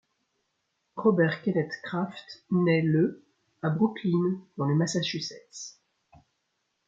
Robert Kenneth Kraft naît le à Brookline dans le Massachusetts.